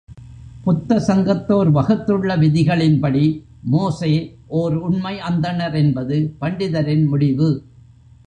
புத்த சங்கத்தோர் வகுத்துள்ள விதிகளின்படி மோசே ஓர் உண்மை அந்தணர் என்பது பண்டிதரின் முடிவு.